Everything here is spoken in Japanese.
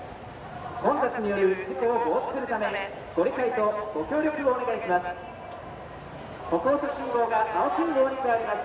混雑による事故を防止するため、ご理解とご協力をお願いします。